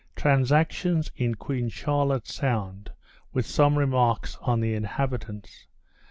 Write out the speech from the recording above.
_Transactions in Queen Charlotte's Sound, with some Remarks on the Inhabitants.